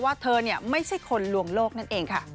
ว่าเธอไม่ใช่คนลวงโลกนั่นเองค่ะ